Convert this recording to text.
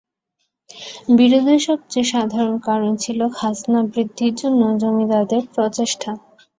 বিরোধের সবচেয়ে সাধারণ কারণ ছিল খাজনা বৃদ্ধির জন্য জমিদারদের প্রচেষ্টা।